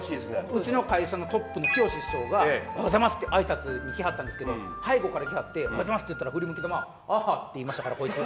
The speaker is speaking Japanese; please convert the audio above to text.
うちの会社のトップのきよし師匠が「おはようございます」って挨拶に来はったんですけど背後から来はって「おはようございます」って言ったら振り向きざま「ああ」って言いましたからこいつ。